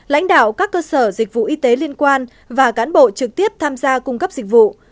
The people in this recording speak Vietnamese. lãnh đạo các cơ sở dịch vụ y tế liên quan và cán bộ trực tiếp tham gia cung cấp dịch vụ